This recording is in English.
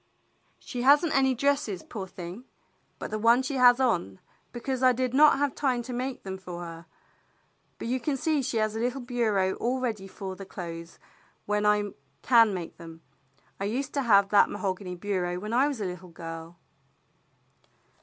"She has n't any dresses, poor thing, but the one she has on, because I did not have time to make them for her, but you see she has a little bureau all ready for the clothes when I can make them. I used to have that mahogany bureau when I was a little girl."